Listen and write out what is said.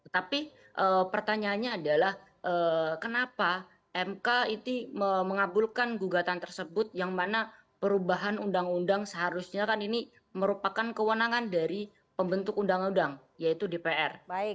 tapi pertanyaannya adalah kenapa mk itu mengabulkan gugatan tersebut yang mana perubahan undang undang seharusnya kan ini merupakan kewenangan dari pembentuk undang undang yaitu dpr